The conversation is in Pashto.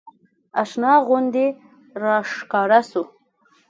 اشنا غوندې راښکاره سو.